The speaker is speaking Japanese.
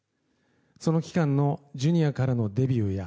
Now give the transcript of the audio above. その期間のＪｒ．からのデビューや